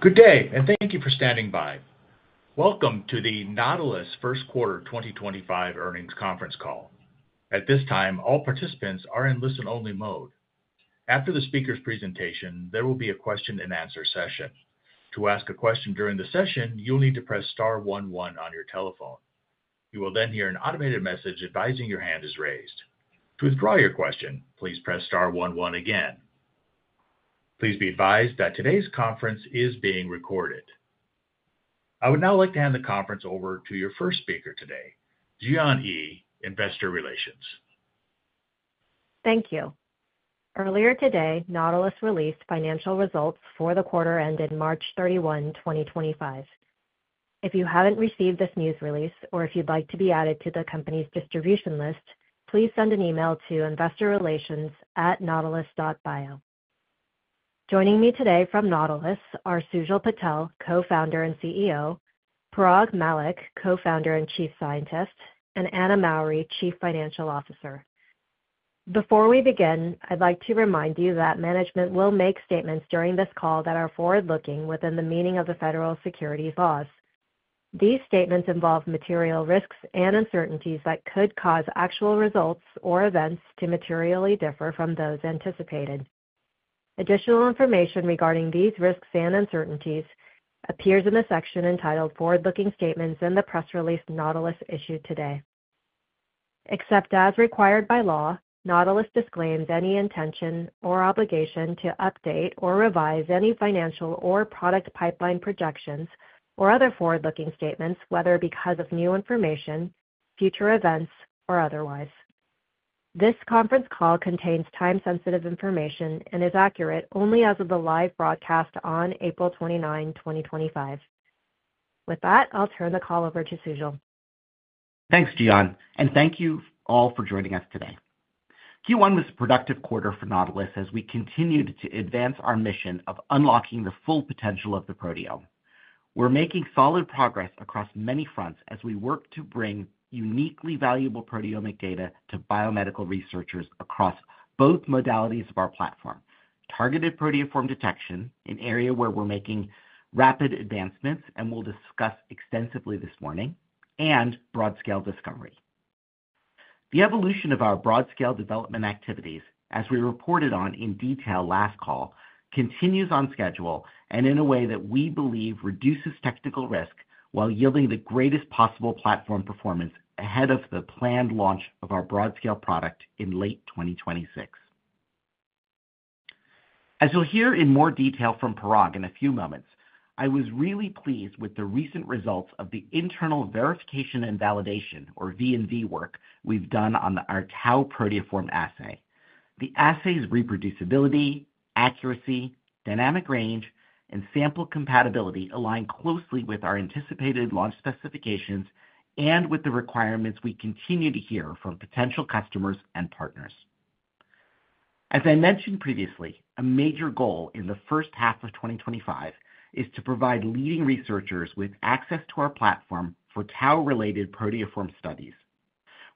Good day, and thank you for standing by. Welcome to the Nautilus first quarter 2025 earnings conference call. At this time, all participants are in listen-only mode. After the speaker's presentation, there will be a question-and-answer session. To ask a question during the session, you'll need to press Star one one on your telephone. You will then hear an automated message advising your hand is raised. To withdraw your question, please press Star one one again. Please be advised that today's conference is being recorded. I would now like to hand the conference over to your first speaker today, Ji-Yon Yi, Investor Relations. Thank you. Earlier today, Nautilus released financial results for the quarter ended March 31, 2025. If you have not received this news release or if you would like to be added to the company's distribution list, please send an email to investorrelations@nautilus.bio. Joining me today from Nautilus are Sujal Patel, co-founder and CEO, Parag Mallick, co-founder and Chief Scientist, and Anna Mowry, chief financial officer. Before we begin, I would like to remind you that management will make statements during this call that are forward-looking within the meaning of the federal securities laws. These statements involve material risks and uncertainties that could cause actual results or events to materially differ from those anticipated. Additional information regarding these risks and uncertainties appears in the section entitled Forward-Looking Statements in the Press Release Nautilus issued today. Except as required by law, Nautilus disclaims any intention or obligation to update or revise any financial or product pipeline projections or other forward-looking statements, whether because of new information, future events, or otherwise. This conference call contains time-sensitive information and is accurate only as of the live broadcast on April 29, 2025. With that, I'll turn the call over to Sujal. Thanks, Ji-Yon, and thank you all for joining us today. Q1 was a productive quarter for Nautilus as we continued to advance our mission of unlocking the full potential of the proteome. We're making solid progress across many fronts as we work to bring uniquely valuable proteomic data to biomedical researchers across both modalities of our platform: targeted proteoform detection, an area where we're making rapid advancements and we'll discuss extensively this morning, and broad-scale discovery. The evolution of our broad-scale development activities, as we reported on in detail last call, continues on schedule and in a way that we believe reduces technical risk while yielding the greatest possible platform performance ahead of the planned launch of our broad-scale product in late 2026. As you'll hear in more detail from Parag in a few moments, I was really pleased with the recent results of the internal verification and validation, or V&V, work we've done on our tau proteoform assay. The assay's reproducibility, accuracy, dynamic range, and sample compatibility align closely with our anticipated launch specifications and with the requirements we continue to hear from potential customers and partners. As I mentioned previously, a major goal in the first half of 2025 is to provide leading researchers with access to our platform for tau-related proteoform studies.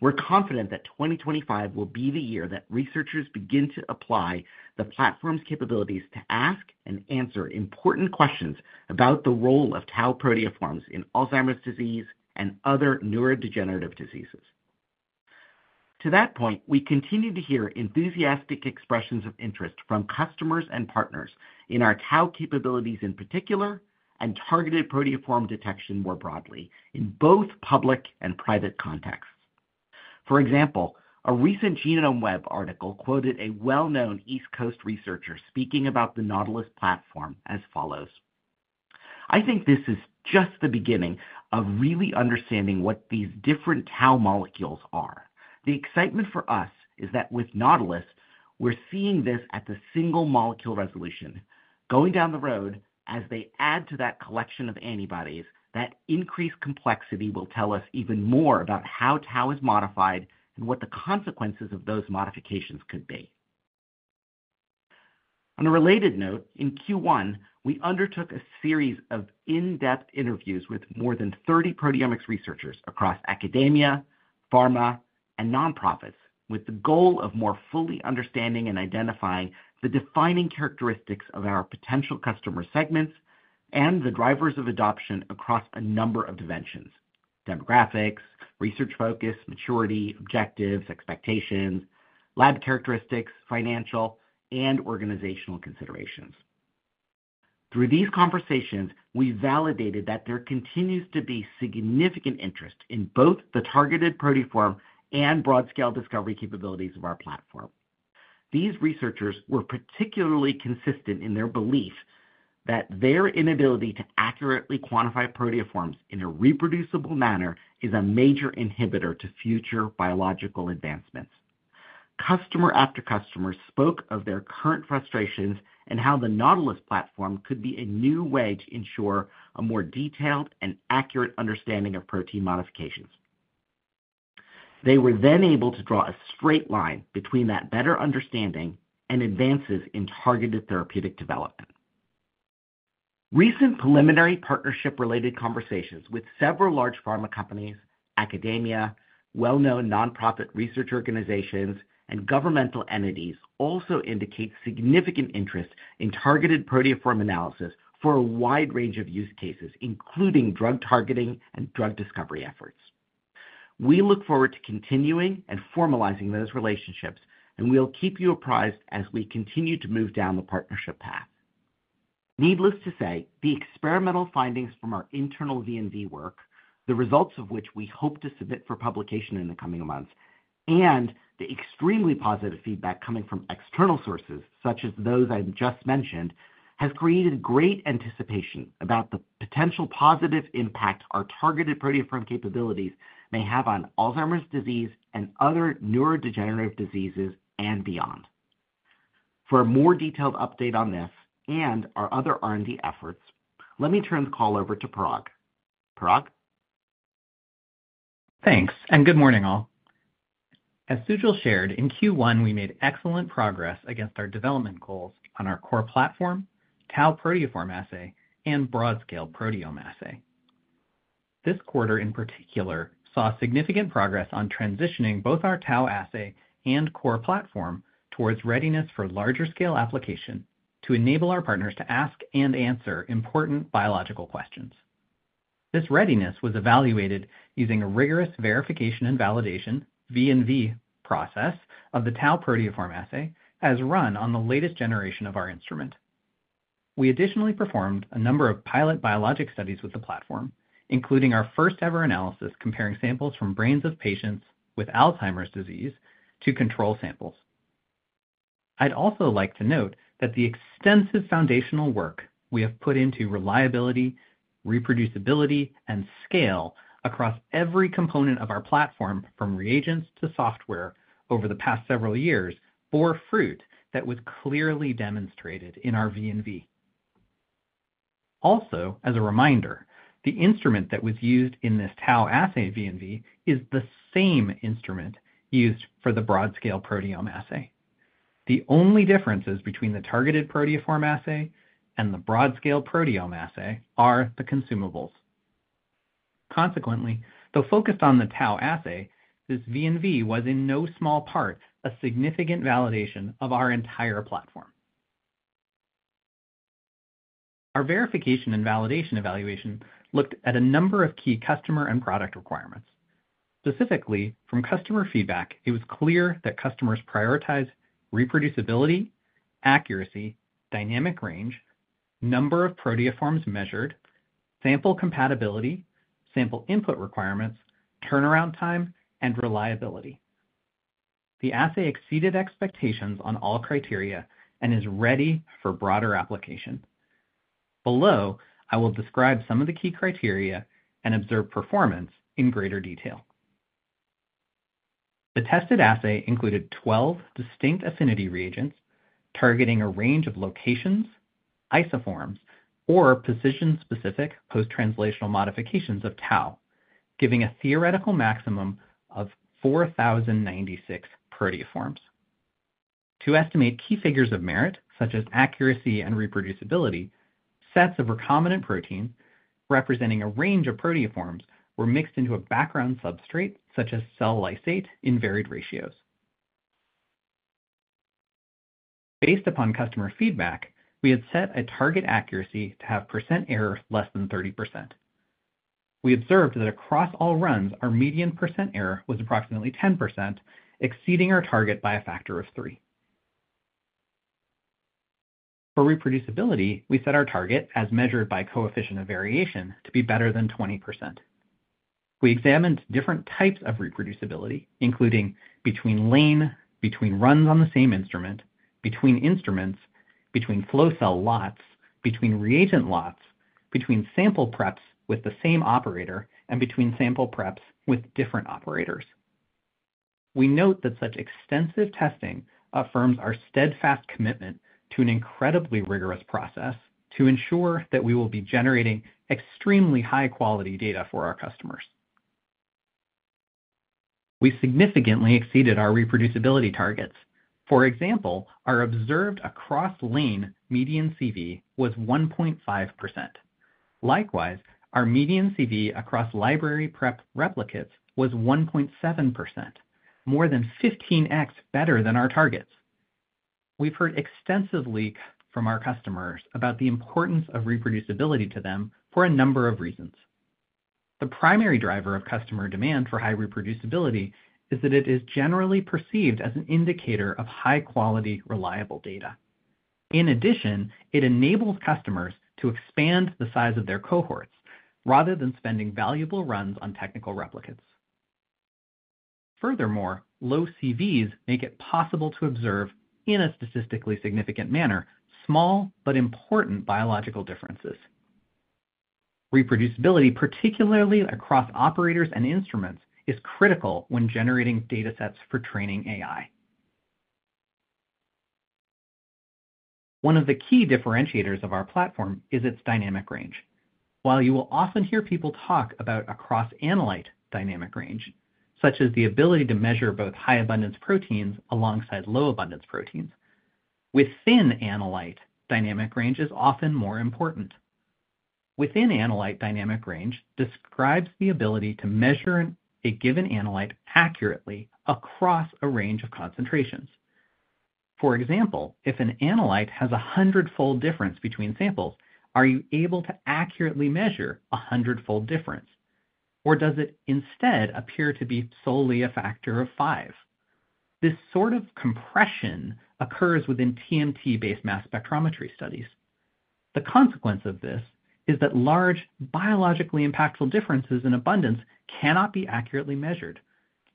We're confident that 2025 will be the year that researchers begin to apply the platform's capabilities to ask and answer important questions about the role of tau proteoforms in Alzheimer's disease and other neurodegenerative diseases. To that point, we continue to hear enthusiastic expressions of interest from customers and partners in our tau capabilities in particular and targeted proteoform detection more broadly in both public and private contexts. For example, a recent GenomeWeb article quoted a well-known East Coast researcher speaking about the Nautilus platform as follows: "I think this is just the beginning of really understanding what these different tau molecules are. The excitement for us is that with Nautilus, we're seeing this at the single molecule resolution. Going down the road, as they add to that collection of antibodies, that increased complexity will tell us even more about how tau is modified and what the consequences of those modifications could be. On a related note, in Q1, we undertook a series of in-depth interviews with more than 30 proteomics researchers across academia, pharma, and nonprofits with the goal of more fully understanding and identifying the defining characteristics of our potential customer segments and the drivers of adoption across a number of dimensions: demographics, research focus, maturity, objectives, expectations, lab characteristics, financial, and organizational considerations. Through these conversations, we validated that there continues to be significant interest in both the targeted proteoform and broad-scale discovery capabilities of our platform. These researchers were particularly consistent in their belief that their inability to accurately quantify proteoforms in a reproducible manner is a major inhibitor to future biological advancements. Customer after customer spoke of their current frustrations and how the Nautilus platform could be a new way to ensure a more detailed and accurate understanding of protein modifications. They were then able to draw a straight line between that better understanding and advances in targeted therapeutic development. Recent preliminary partnership-related conversations with several large pharma companies, academia, well-known nonprofit research organizations, and governmental entities also indicate significant interest in targeted proteoform analysis for a wide range of use cases, including drug targeting and drug discovery efforts. We look forward to continuing and formalizing those relationships, and we'll keep you apprised as we continue to move down the partnership path. Needless to say, the experimental findings from our internal V&V work, the results of which we hope to submit for publication in the coming months, and the extremely positive feedback coming from external sources, such as those I've just mentioned, have created great anticipation about the potential positive impact our targeted proteoform capabilities may have on Alzheimer's disease and other neurodegenerative diseases and beyond. For a more detailed update on this and our other R&D efforts, let me turn the call over to Parag. Parag? Thanks, and good morning, all. As Sujal shared, in Q1, we made excellent progress against our development goals on our core platform, tau proteoform assay, and broad-scale proteome assay. This quarter, in particular, saw significant progress on transitioning both our tau assay and core platform towards readiness for larger-scale application to enable our partners to ask and answer important biological questions. This readiness was evaluated using a rigorous verification and validation (V&V) process of the tau proteoform assay as run on the latest generation of our instrument. We additionally performed a number of pilot biologic studies with the platform, including our first-ever analysis comparing samples from brains of patients with Alzheimer's disease to control samples. I'd also like to note that the extensive foundational work we have put into reliability, reproducibility, and scale across every component of our platform, from reagents to software, over the past several years bore fruit that was clearly demonstrated in our V&V. Also, as a reminder, the instrument that was used in this tau assay V&V is the same instrument used for the broad-scale proteome assay. The only differences between the targeted proteoform assay and the broad-scale proteome assay are the consumables. Consequently, though focused on the tau assay, this V&V was in no small part a significant validation of our entire platform. Our verification and validation evaluation looked at a number of key customer and product requirements. Specifically, from customer feedback, it was clear that customers prioritize reproducibility, accuracy, dynamic range, number of proteoforms measured, sample compatibility, sample input requirements, turnaround time, and reliability. The assay exceeded expectations on all criteria and is ready for broader application. Below, I will describe some of the key criteria and observe performance in greater detail. The tested assay included 12 distinct affinity reagents targeting a range of locations, isoforms, or position-specific post-translational modifications of tau, giving a theoretical maximum of 4,096 proteoforms. To estimate key figures of merit, such as accuracy and reproducibility, sets of recombinant proteins representing a range of proteoforms were mixed into a background substrate, such as cell lysate, in varied ratios. Based upon customer feedback, we had set a target accuracy to have percent error less than 30%. We observed that across all runs, our median percent error was approximately 10%, exceeding our target by a factor of three. For reproducibility, we set our target, as measured by coefficient of variation, to be better than 20%. We examined different types of reproducibility, including between lane, between runs on the same instrument, between instruments, between flow cell lots, between reagent lots, between sample preps with the same operator, and between sample preps with different operators. We note that such extensive testing affirms our steadfast commitment to an incredibly rigorous process to ensure that we will be generating extremely high-quality data for our customers. We significantly exceeded our reproducibility targets. For example, our observed across-lane median CV was 1.5%. Likewise, our median CV across library-prep replicates was 1.7%, more than 15x better than our targets. We've heard extensively from our customers about the importance of reproducibility to them for a number of reasons. The primary driver of customer demand for high reproducibility is that it is generally perceived as an indicator of high-quality, reliable data. In addition, it enables customers to expand the size of their cohorts rather than spending valuable runs on technical replicates. Furthermore, low CVs make it possible to observe, in a statistically significant manner, small but important biological differences. Reproducibility, particularly across operators and instruments, is critical when generating datasets for training AI. One of the key differentiators of our platform is its dynamic range. While you will often hear people talk about across-analyte dynamic range, such as the ability to measure both high-abundance proteins alongside low-abundance proteins, within-analyte dynamic range is often more important. Within-analyte dynamic range describes the ability to measure a given analyte accurately across a range of concentrations. For example, if an analyte has a hundredfold difference between samples, are you able to accurately measure a hundredfold difference? Or does it instead appear to be solely a factor of five? This sort of compression occurs within TMT-based mass spectrometry studies. The consequence of this is that large biologically impactful differences in abundance cannot be accurately measured,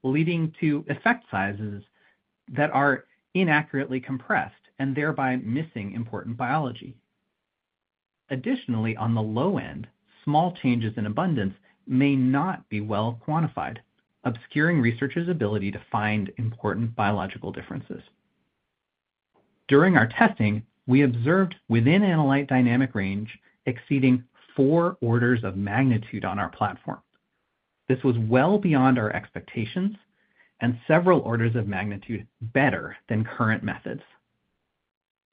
leading to effect sizes that are inaccurately compressed and thereby missing important biology. Additionally, on the low end, small changes in abundance may not be well quantified, obscuring researchers' ability to find important biological differences. During our testing, we observed within-analyte dynamic range exceeding four orders of magnitude on our platform. This was well beyond our expectations and several orders of magnitude better than current methods.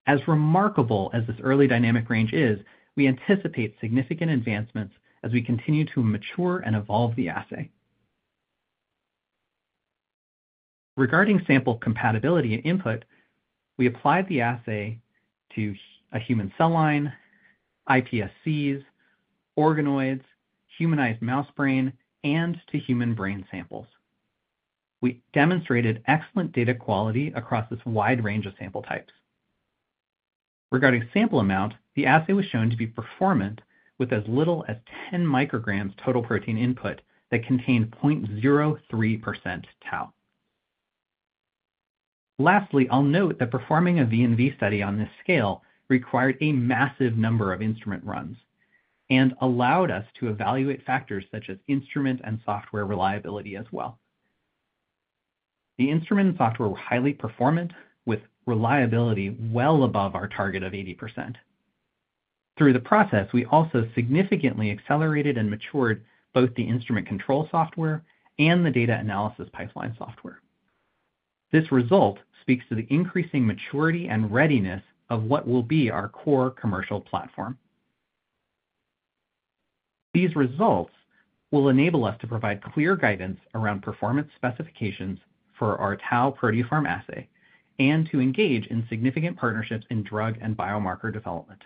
As remarkable as this early dynamic range is, we anticipate significant advancements as we continue to mature and evolve the assay. Regarding sample compatibility and input, we applied the assay to a human cell line, iPSCs, organoids, humanized mouse brain, and to human brain samples. We demonstrated excellent data quality across this wide range of sample types. Regarding sample amount, the assay was shown to be performant with as little as 10 micrograms total protein input that contained 0.03% tau. Lastly, I'll note that performing a V&V study on this scale required a massive number of instrument runs and allowed us to evaluate factors such as instrument and software reliability as well. The instrument and software were highly performant, with reliability well above our target of 80%. Through the process, we also significantly accelerated and matured both the instrument control software and the data analysis pipeline software. This result speaks to the increasing maturity and readiness of what will be our core commercial platform. These results will enable us to provide clear guidance around performance specifications for our tau proteoform assay and to engage in significant partnerships in drug and biomarker development.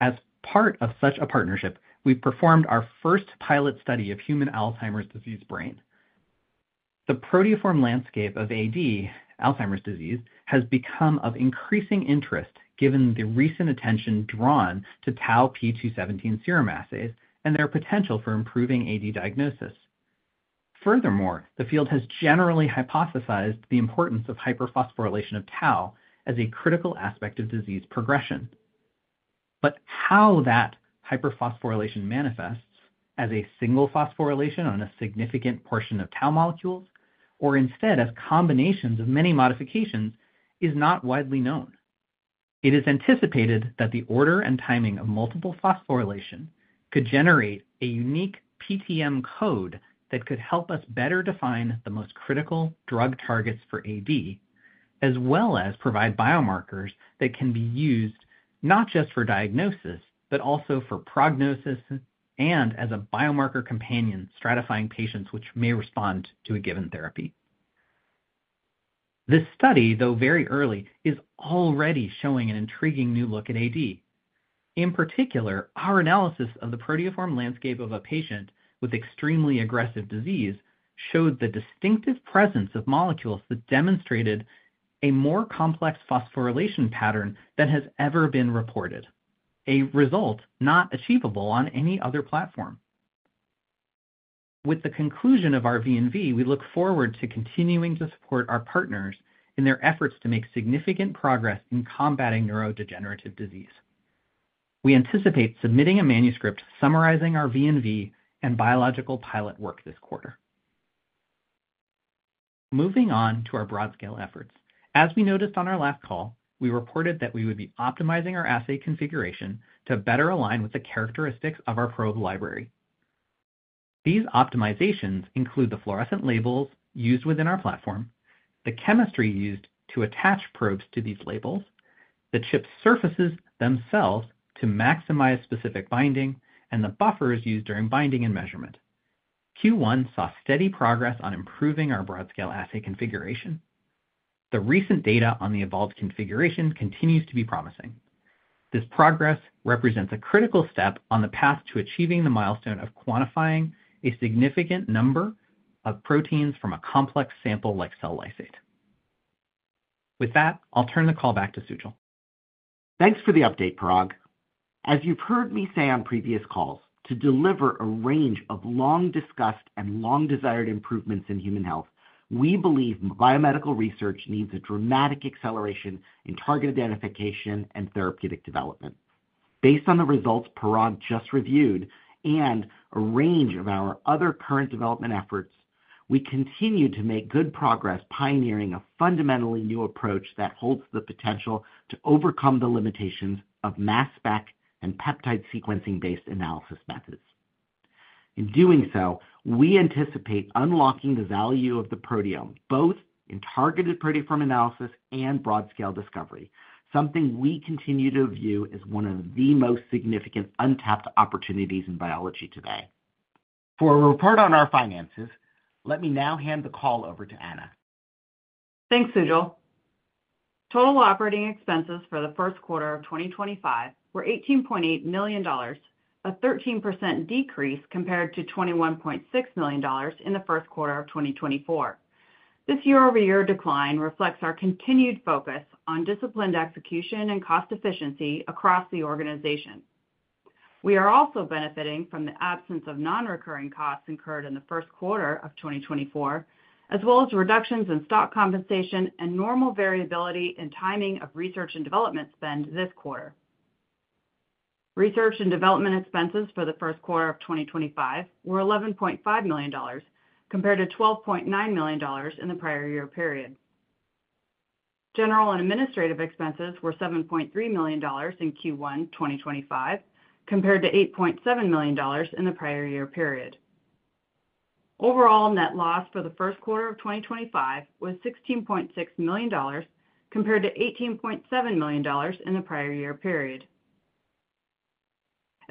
As part of such a partnership, we performed our first pilot study of human Alzheimer's disease brain. The proteoform landscape of AD, Alzheimer's disease, has become of increasing interest given the recent attention drawn to tau P217 serum assays and their potential for improving AD diagnosis. Furthermore, the field has generally hypothesized the importance of hyperphosphorylation of tau as a critical aspect of disease progression. How that hyperphosphorylation manifests as a single phosphorylation on a significant portion of tau molecules, or instead as combinations of many modifications, is not widely known. It is anticipated that the order and timing of multiple phosphorylation could generate a unique PTM code that could help us better define the most critical drug targets for AD, as well as provide biomarkers that can be used not just for diagnosis, but also for prognosis and as a biomarker companion stratifying patients which may respond to a given therapy. This study, though very early, is already showing an intriguing new look at AD. In particular, our analysis of the proteoform landscape of a patient with extremely aggressive disease showed the distinctive presence of molecules that demonstrated a more complex phosphorylation pattern than has ever been reported, a result not achievable on any other platform. With the conclusion of our V&V, we look forward to continuing to support our partners in their efforts to make significant progress in combating neurodegenerative disease. We anticipate submitting a manuscript summarizing our V&V and biological pilot work this quarter. Moving on to our broad-scale efforts, as we noticed on our last call, we reported that we would be optimizing our assay configuration to better align with the characteristics of our probe library. These optimizations include the fluorescent labels used within our platform, the chemistry used to attach probes to these labels, the chip surfaces themselves to maximize specific binding, and the buffers used during binding and measurement. Q1 saw steady progress on improving our broad-scale assay configuration. The recent data on the evolved configuration continues to be promising. This progress represents a critical step on the path to achieving the milestone of quantifying a significant number of proteins from a complex sample like cell lysate. With that, I'll turn the call back to Sujal. Thanks for the update, Parag. As you've heard me say on previous calls, to deliver a range of long-discussed and long-desired improvements in human health, we believe biomedical research needs a dramatic acceleration in target identification and therapeutic development. Based on the results Parag just reviewed and a range of our other current development efforts, we continue to make good progress pioneering a fundamentally new approach that holds the potential to overcome the limitations of mass spec and peptide sequencing-based analysis methods. In doing so, we anticipate unlocking the value of the proteome both in targeted proteoform analysis and broad-scale discovery, something we continue to view as one of the most significant untapped opportunities in biology today. For a report on our finances, let me now hand the call over to Anna. Thanks, Sujal. Total operating expenses for the first quarter of 2025 were $18.8 million, a 13% decrease compared to $21.6 million in the first quarter of 2024. This year-over-year decline reflects our continued focus on disciplined execution and cost efficiency across the organization. We are also benefiting from the absence of non-recurring costs incurred in the first quarter of 2024, as well as reductions in stock compensation and normal variability in timing of research and development spend this quarter. Research and development expenses for the first quarter of 2025 were $11.5 million compared to $12.9 million in the prior year period. General and administrative expenses were $7.3 million in Q1 2025 compared to $8.7 million in the prior year period. Overall net loss for the first quarter of 2025 was $16.6 million compared to $18.7 million in the prior year period.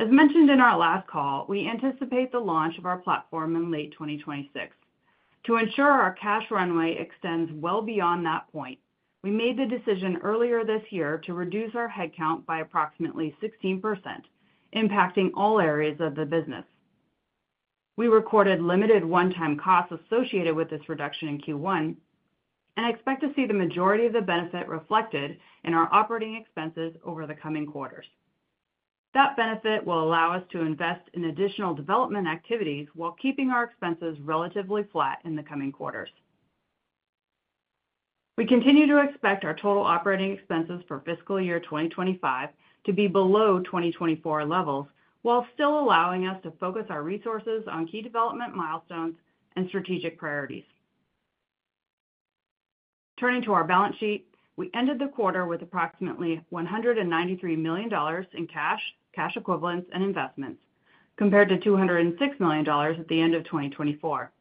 As mentioned in our last call, we anticipate the launch of our platform in late 2026. To ensure our cash runway extends well beyond that point, we made the decision earlier this year to reduce our headcount by approximately 16%, impacting all areas of the business. We recorded limited one-time costs associated with this reduction in Q1 and expect to see the majority of the benefit reflected in our operating expenses over the coming quarters. That benefit will allow us to invest in additional development activities while keeping our expenses relatively flat in the coming quarters. We continue to expect our total operating expenses for fiscal year 2025 to be below 2024 levels while still allowing us to focus our resources on key development milestones and strategic priorities. Turning to our balance sheet, we ended the quarter with approximately $193 million in cash, cash equivalents, and investments compared to $206 million at the end of 2024.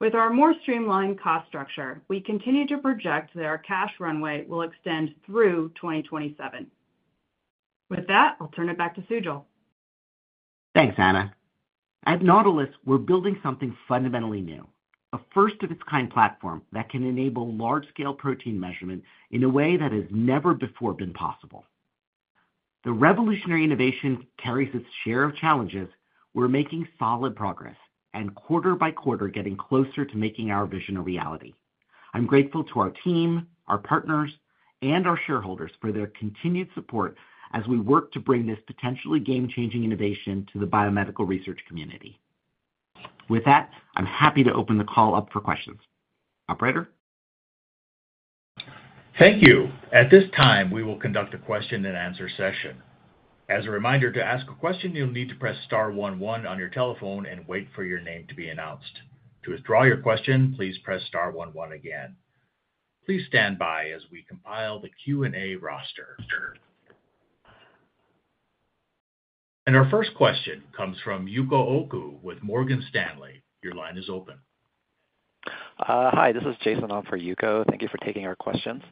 With our more streamlined cost structure, we continue to project that our cash runway will extend through 2027. With that, I'll turn it back to Sujal. Thanks, Anna. At Nautilus, we're building something fundamentally new, a first-of-its-kind platform that can enable large-scale protein measurement in a way that has never before been possible. The revolutionary innovation carries its share of challenges. We're making solid progress and, quarter by quarter, getting closer to making our vision a reality. I'm grateful to our team, our partners, and our shareholders for their continued support as we work to bring this potentially game-changing innovation to the biomedical research community. With that, I'm happy to open the call up for questions. Operator? Thank you. At this time, we will conduct a question-and-answer session. As a reminder, to ask a question, you'll need to press star one one on your telephone and wait for your name to be announced. To withdraw your question, please press star one one again. Please stand by as we compile the Q&A roster. Our first question comes from Yuko Oku with Morgan Stanley. Your line is open. Hi, this is Jason on for Yuko. Thank you for taking our questions.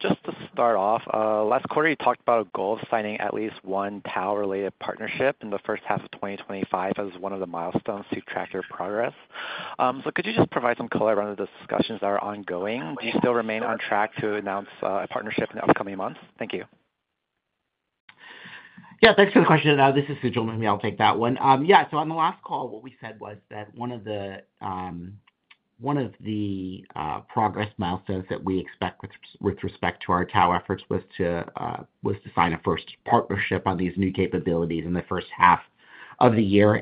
Just to start off, last quarter, you talked about a goal of signing at least one tau-related partnership in the first half of 2025 as one of the milestones to track your progress. Could you just provide some color around the discussions that are ongoing? Do you still remain on track to announce a partnership in the upcoming months? Thank you. Yeah, thanks for the question. This is Sujal Mowry. I'll take that one. Yeah, on the last call, what we said was that one of the progress milestones that we expect with respect to our tau efforts was to sign a first partnership on these new capabilities in the first half of the year.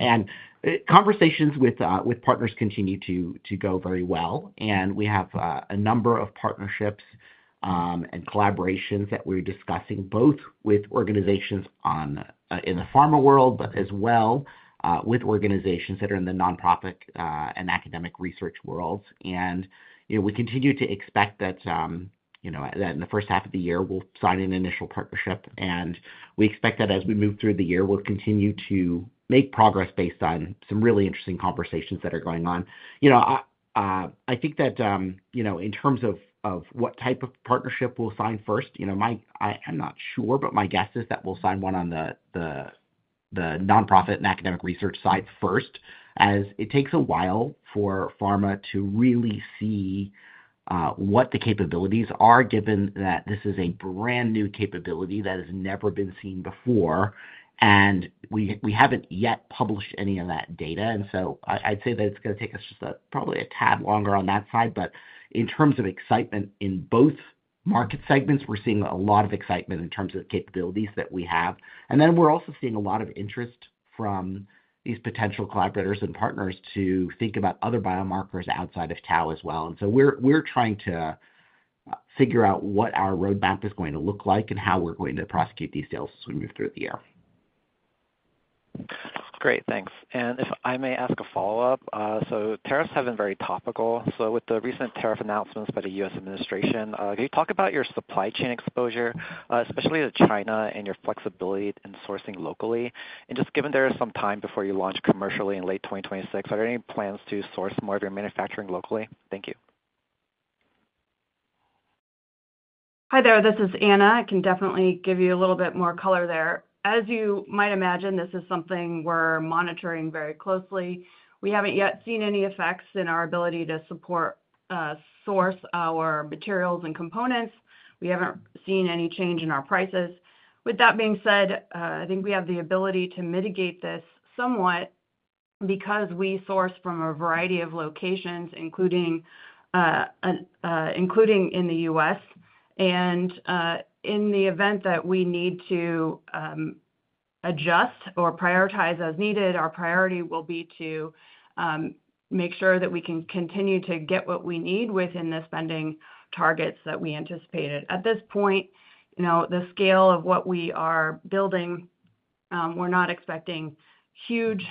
Conversations with partners continue to go very well. We have a number of partnerships and collaborations that we're discussing both with organizations in the pharma world, as well as with organizations that are in the nonprofit and academic research worlds. We continue to expect that in the first half of the year, we'll sign an initial partnership. We expect that as we move through the year, we'll continue to make progress based on some really interesting conversations that are going on. I think that in terms of what type of partnership we'll sign first, I'm not sure, but my guess is that we'll sign one on the nonprofit and academic research side first, as it takes a while for pharma to really see what the capabilities are, given that this is a brand new capability that has never been seen before. We haven't yet published any of that data. I'd say that it's going to take us just probably a tad longer on that side. In terms of excitement in both market segments, we're seeing a lot of excitement in terms of capabilities that we have. We're also seeing a lot of interest from these potential collaborators and partners to think about other biomarkers outside of tau as well. We're trying to figure out what our roadmap is going to look like and how we're going to prosecute these sales as we move through the year. Great. Thanks. If I may ask a follow-up, tariffs have been very topical. With the recent tariff announcements by the U.S. administration, can you talk about your supply chain exposure, especially to China, and your flexibility in sourcing locally? Just given there is some time before you launch commercially in late 2026, are there any plans to source more of your manufacturing locally? Thank you. Hi there. This is Anna. I can definitely give you a little bit more color there. As you might imagine, this is something we're monitoring very closely. We haven't yet seen any effects in our ability to source our materials and components. We haven't seen any change in our prices. With that being said, I think we have the ability to mitigate this somewhat because we source from a variety of locations, including in the U.S. In the event that we need to adjust or prioritize as needed, our priority will be to make sure that we can continue to get what we need within the spending targets that we anticipated. At this point, the scale of what we are building, we're not expecting huge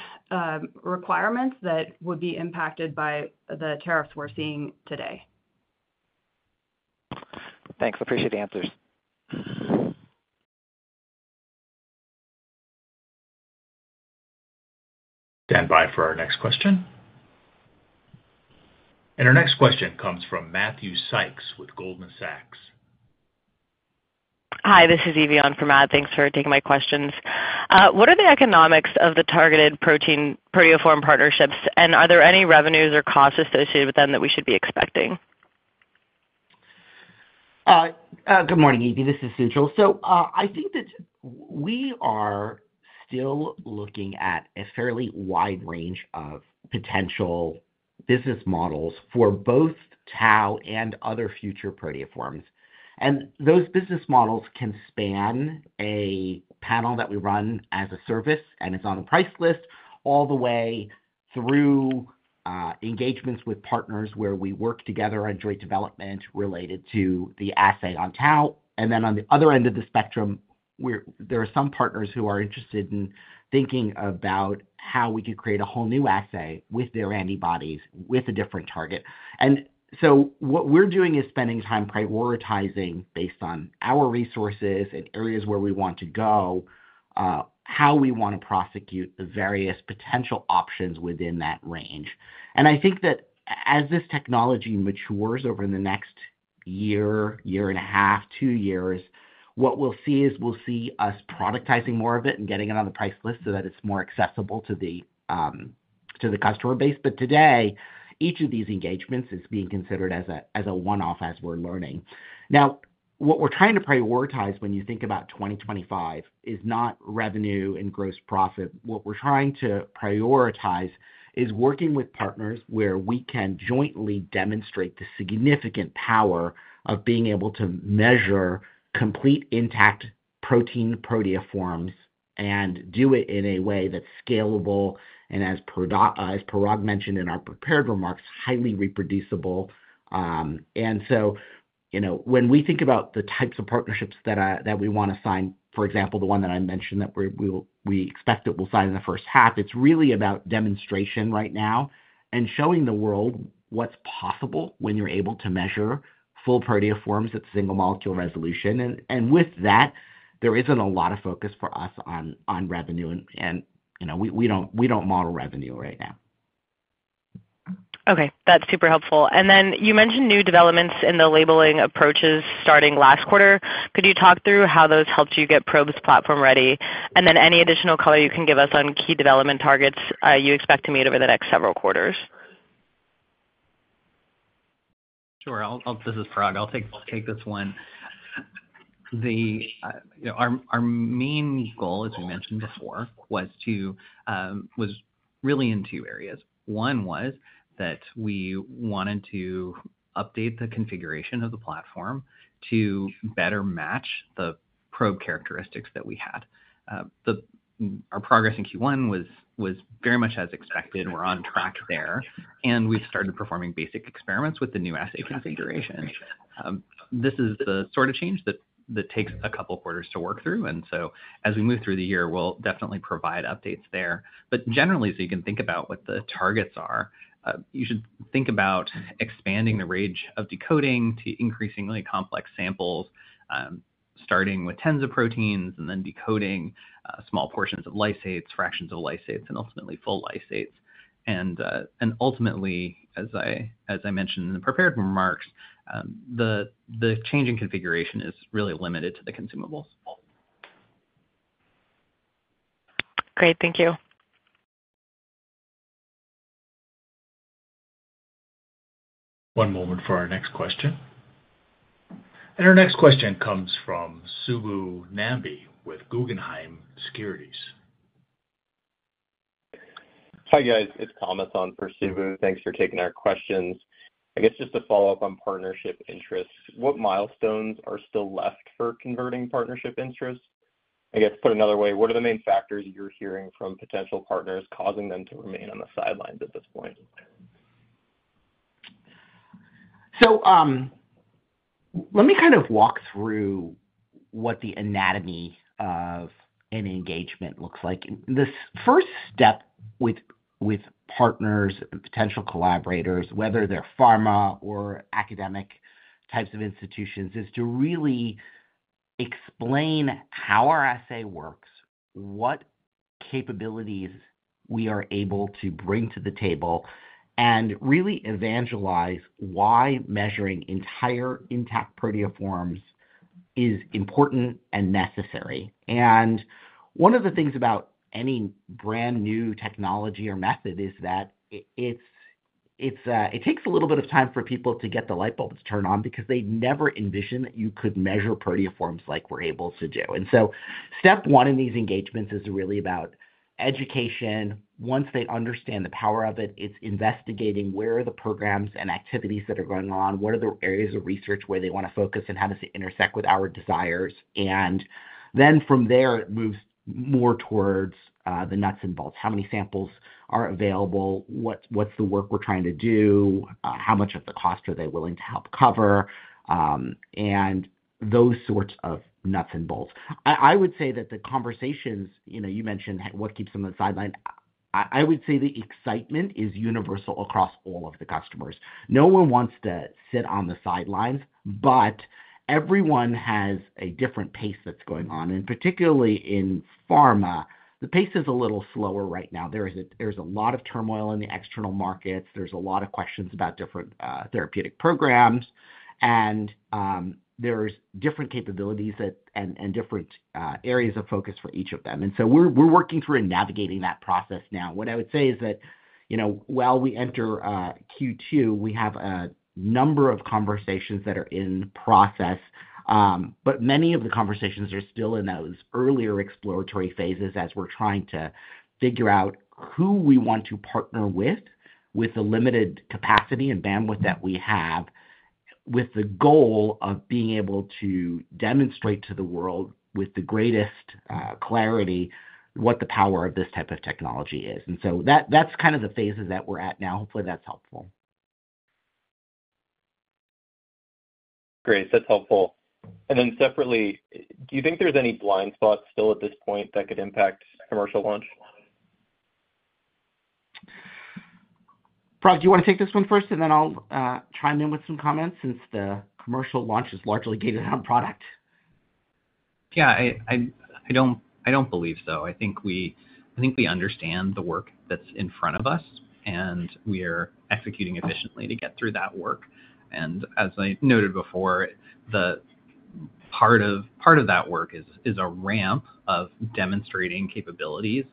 requirements that would be impacted by the tariffs we're seeing today. Thanks. Appreciate the answers. Stand by for our next question. Our next question comes from Matthew Sykes with Goldman Sachs. Hi, this is Yvianne for Matt. Thanks for taking my questions. What are the economics of the targeted proteoform partnerships, and are there any revenues or costs associated with them that we should be expecting? Good morning, Yvianne. This is Sujal. I think that we are still looking at a fairly wide range of potential business models for both tau and other future proteoforms. Those business models can span a panel that we run as a service, and it is on a price list all the way through engagements with partners where we work together on joint development related to the assay on tau. On the other end of the spectrum, there are some partners who are interested in thinking about how we could create a whole new assay with their antibodies with a different target. What we are doing is spending time prioritizing based on our resources and areas where we want to go, how we want to prosecute the various potential options within that range. I think that as this technology matures over the next year, year and a half, two years, what we'll see is we'll see us productizing more of it and getting it on the price list so that it's more accessible to the customer base. Today, each of these engagements is being considered as a one-off as we're learning. What we're trying to prioritize when you think about 2025 is not revenue and gross profit. What we're trying to prioritize is working with partners where we can jointly demonstrate the significant power of being able to measure complete intact protein proteoforms and do it in a way that's scalable and, as Parag mentioned in our prepared remarks, highly reproducible. When we think about the types of partnerships that we want to sign, for example, the one that I mentioned that we expect that we'll sign in the first half, it's really about demonstration right now and showing the world what's possible when you're able to measure full proteoforms at single molecule resolution. With that, there isn't a lot of focus for us on revenue, and we don't model revenue right now. Okay. That's super helpful. You mentioned new developments in the labeling approaches starting last quarter. Could you talk through how those helped you get Probes platform ready? Any additional color you can give us on key development targets you expect to meet over the next several quarters? Sure. This is Parag. I'll take this one. Our main goal, as we mentioned before, was really in two areas. One was that we wanted to update the configuration of the platform to better match the probe characteristics that we had. Our progress in Q1 was very much as expected. We're on track there. We've started performing basic experiments with the new assay configuration. This is the sort of change that takes a couple of quarters to work through. As we move through the year, we'll definitely provide updates there. Generally, so you can think about what the targets are, you should think about expanding the range of decoding to increasingly complex samples, starting with tens of proteins and then decoding small portions of lysates, fractions of lysates, and ultimately full lysates. Ultimately, as I mentioned in the prepared remarks, the change in configuration is really limited to the consumables. Great. Thank you. One moment for our next question. Our next question comes from Subbu Nambi with Guggenheim Securities. Hi, guys. It's Thomas on for Subbu. Thanks for taking our questions. I guess just to follow up on partnership interests, what milestones are still left for converting partnership interests? I guess put another way, what are the main factors you're hearing from potential partners causing them to remain on the sidelines at this point? Let me kind of walk through what the anatomy of an engagement looks like. The first step with partners and potential collaborators, whether they're pharma or academic types of institutions, is to really explain how our assay works, what capabilities we are able to bring to the table, and really evangelize why measuring entire intact proteoforms is important and necessary. One of the things about any brand new technology or method is that it takes a little bit of time for people to get the light bulb to turn on because they never envision that you could measure proteoforms like we're able to do. Step one in these engagements is really about education. Once they understand the power of it, it's investigating where are the programs and activities that are going on, what are the areas of research where they want to focus, and how does it intersect with our desires. From there, it moves more towards the nuts and bolts. How many samples are available? What's the work we're trying to do? How much of the cost are they willing to help cover? Those sorts of nuts and bolts. I would say that the conversations you mentioned, what keeps them on the sideline? I would say the excitement is universal across all of the customers. No one wants to sit on the sidelines, but everyone has a different pace that's going on. Particularly in pharma, the pace is a little slower right now. There's a lot of turmoil in the external markets. are a lot of questions about different therapeutic programs. There are different capabilities and different areas of focus for each of them. We are working through and navigating that process now. What I would say is that while we enter Q2, we have a number of conversations that are in process. Many of the conversations are still in those earlier exploratory phases as we are trying to figure out who we want to partner with, with the limited capacity and bandwidth that we have, with the goal of being able to demonstrate to the world with the greatest clarity what the power of this type of technology is. That is kind of the phases that we are at now. Hopefully, that is helpful. Great. That's helpful. Do you think there's any blind spots still at this point that could impact commercial launch? Parag, do you want to take this one first, and then I'll chime in with some comments since the commercial launch is largely gated on product? Yeah, I don't believe so. I think we understand the work that's in front of us, and we are executing efficiently to get through that work. As I noted before, part of that work is a ramp of demonstrating capabilities.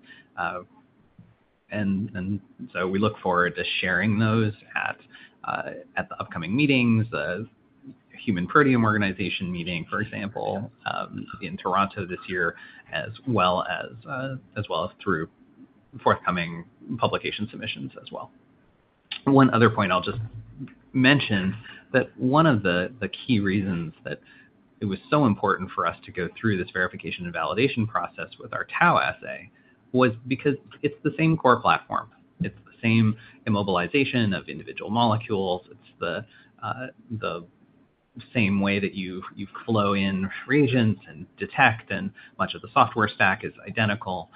We look forward to sharing those at the upcoming meetings, the Human Proteome Organization meeting, for example, in Toronto this year, as well as through forthcoming publication submissions as well. One other point I'll just mention that one of the key reasons that it was so important for us to go through this verification and validation process with our tau assay was because it's the same core platform. It's the same immobilization of individual molecules. It's the same way that you flow in reagents and detect, and much of the software stack is identical.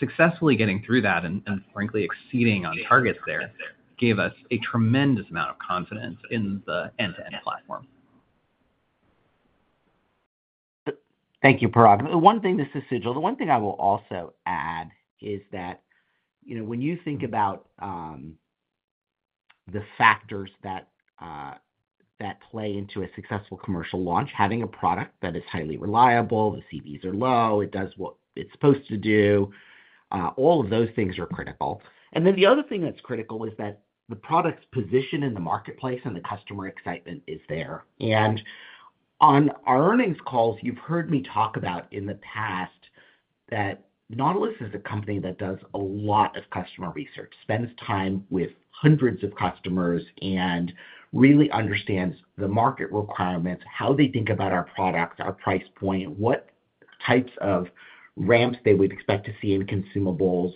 Successfully getting through that and, frankly, exceeding on targets there gave us a tremendous amount of confidence in the end-to-end platform. Thank you, Parag. One thing—this is Sujal—the one thing I will also add is that when you think about the factors that play into a successful commercial launch, having a product that is highly reliable, the CVs are low, it does what it's supposed to do, all of those things are critical. The other thing that's critical is that the product's position in the marketplace and the customer excitement is there. On our earnings calls, you've heard me talk about in the past that Nautilus is a company that does a lot of customer research, spends time with hundreds of customers, and really understands the market requirements, how they think about our products, our price point, what types of ramps they would expect to see in consumables.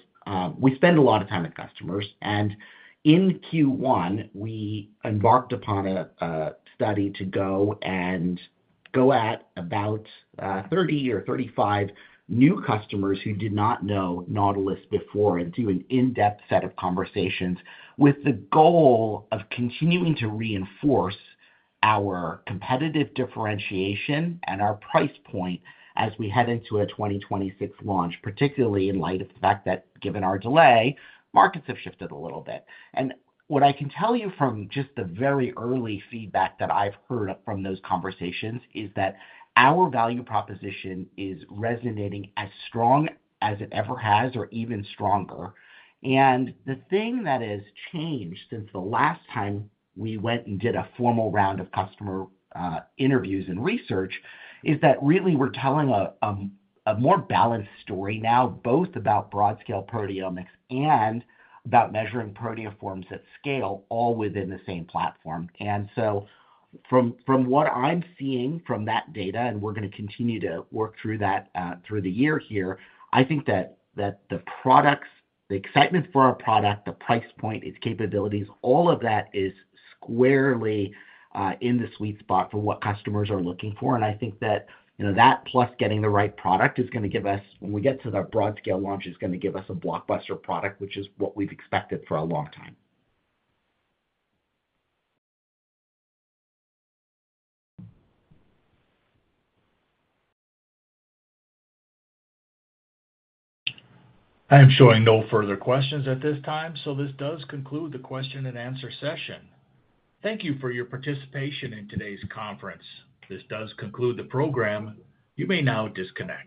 We spend a lot of time with customers. In Q1, we embarked upon a study to go and go at about 30 or 35 new customers who did not know Nautilus before and do an in-depth set of conversations with the goal of continuing to reinforce our competitive differentiation and our price point as we head into a 2026 launch, particularly in light of the fact that, given our delay, markets have shifted a little bit. What I can tell you from just the very early feedback that I've heard from those conversations is that our value proposition is resonating as strong as it ever has or even stronger. The thing that has changed since the last time we went and did a formal round of customer interviews and research is that really we're telling a more balanced story now, both about broad-scale proteomics and about measuring proteoforms at scale, all within the same platform. From what I'm seeing from that data, and we're going to continue to work through that through the year here, I think that the products, the excitement for our product, the price point, its capabilities, all of that is squarely in the sweet spot for what customers are looking for. I think that that plus getting the right product is going to give us, when we get to the broad-scale launch, is going to give us a blockbuster product, which is what we've expected for a long time. I'm showing no further questions at this time, so this does conclude the question-and-answer session. Thank you for your participation in today's conference. This does conclude the program. You may now disconnect.